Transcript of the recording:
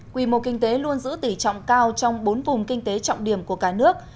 quy mô kinh tế luôn giữ tỉ trọng cao trong bốn vùng kinh tế trọng điểm của cả nước